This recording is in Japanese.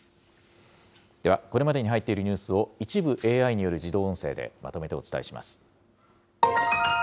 では、これまでに入っているニュースを、一部ＡＩによる自動音声でまとめてお伝えします。